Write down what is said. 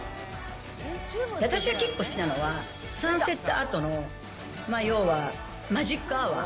私が結構好きなのは、サンセットあとの要はマジックアワー。